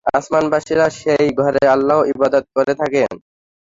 আসমানবাসীরা সেই ঘরে আল্লাহর ইবাদত করে থাকেন।